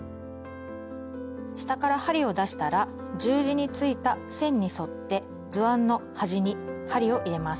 下から針を出したら十字についた線に沿って図案の端に針を入れます。